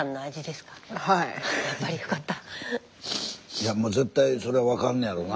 いやもう絶対それは分かんのやろな。